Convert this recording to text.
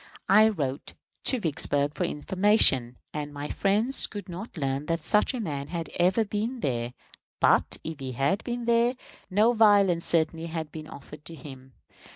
I wrote to Vicksburg for information, and my friends could not learn that such a man had ever been there; but, if he had been there, no violence certainly had been offered to him.